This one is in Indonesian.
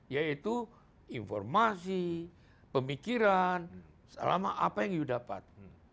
yaitu informasi pemikiran selama apa yuk dapat